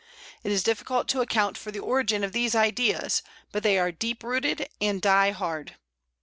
It is difficult to account for the origin of these ideas, but they are deep rooted and die hard.